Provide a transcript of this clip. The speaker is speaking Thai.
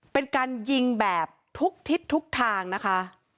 เป็นการยิงแบบทุกทิศทุกทางนะคะ